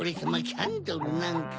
キャンドルなんか。